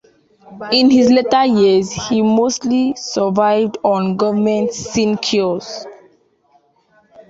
In his later years he mostly survived on government sinecures.